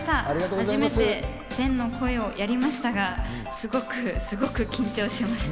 初めて天の声をやりましたが、すごくすごく緊張しました。